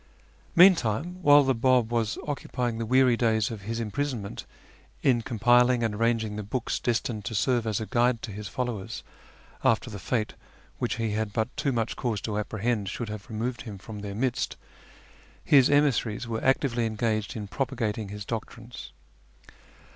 Meantime, while the Bab was occupying the weary days of his imprisonment in compiling and arranging the books des tined to serve as a guide to his followers after the fate which he had but too much cause to apprehend should have removed him from their midst, his emissaries were actively engaged in propagating his doctrines.